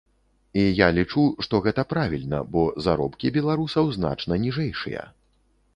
І я лічу, што гэта правільна, бо заробкі беларусаў значна ніжэйшыя.